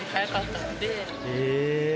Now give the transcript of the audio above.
へえ！